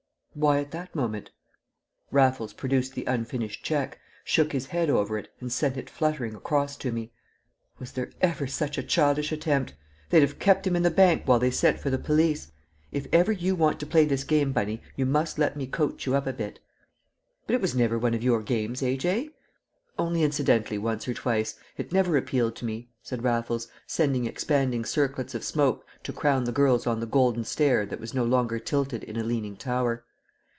"Why at that moment?" Raffles produced the unfinished cheque, shook his head over it, and sent it fluttering across to me. "Was there ever such a childish attempt? They'd have kept him in the bank while they sent for the police. If ever you want to play this game, Bunny, you must let me coach you up a bit." "But it was never one of your games, A.J.!" "Only incidentally once or twice; it never appealed to me," said Raffles, sending expanding circlets of smoke to crown the girls on the Golden Stair that was no longer tilted in a leaning tower.